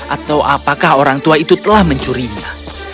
atau apakah orang tua itu telah mencurinya